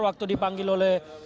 waktu dipanggil oleh dpd jawa barat